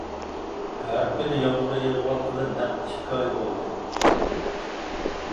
ھەر كۈنى يامغۇر يېغىۋاتقىلى نەق ئىككى ئاي بولدى.